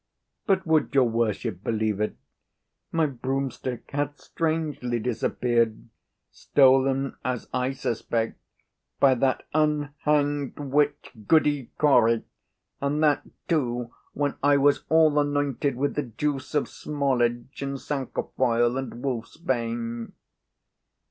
But—would your worship believe it?—my broomstick hath strangely disappeared, stolen, as I suspect, by that unhanged witch, Goody Cory, and that, too, when I was all anointed with the juice of smallage, and cinquefoil, and wolf's bane."